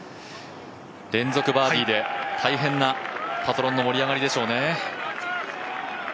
連続バーディーで大変なパトロンの盛り上がりでしょうね。